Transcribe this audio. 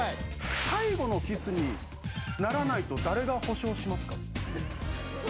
最後のキスにならないと誰が保証しますか？